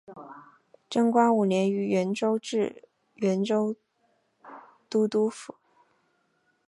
贞观五年于原州置原州都督府。